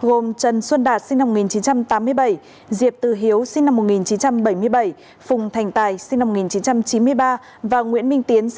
gồm trần xuân đạt diệp từ hiếu phùng thành tài và nguyễn minh tiến